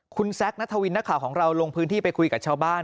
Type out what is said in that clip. คุณแซคนัทวินนักข่าวของเราลงพื้นที่ไปคุยกับชาวบ้าน